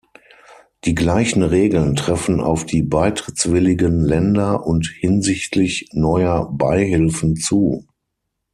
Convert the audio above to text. Die gleichen Regeln treffen auf die beitrittswilligen Länder und hinsichtlich neuer Beihilfen zu.